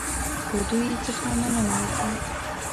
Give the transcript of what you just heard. له دوی څخه مننه وکړه.